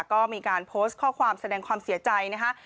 ก็มีการโพสต์ข้อความแสดงความเสียใจนะคะ